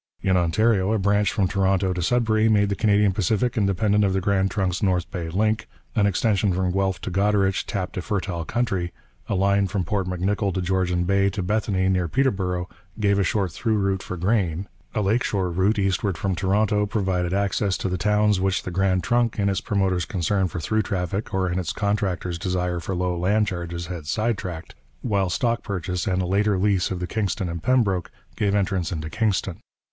In Ontario, a branch from Toronto to Sudbury made the Canadian Pacific independent of the Grand Trunk's North Bay link, an extension from Guelph to Goderich tapped a fertile country, a line from Port M'Nicoll on Georgian Bay to Bethany near Peterborough gave a short through route for grain, a lake shore route eastward from Toronto provided access to the towns which the Grand Trunk, in its promoters' concern for through traffic or in its contractors' desire for low land charges, had side tracked, while stock purchase and later a lease of the Kingston and Pembroke gave entrance into Kingston.